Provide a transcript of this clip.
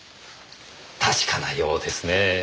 確かなようですねぇ。